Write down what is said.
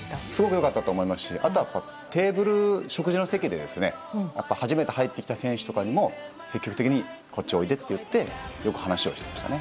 よかったと思いますし、あとはやっぱりテーブル、食事の席でやっぱ初めて入ってきた選手とかにも、積極的にこっちおいでって言って、よく話をしてましたね。